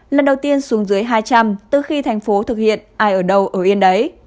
lần đầu tiên xuống dưới hai trăm linh từ khi thành phố thực hiện ai ở đâu ở yên đấy